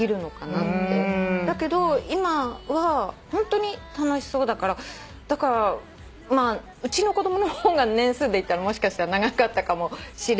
だけど今はホントに楽しそうだからだからうちの子供の方が年数でいったらもしかしたら長かったかもしれないんだよね。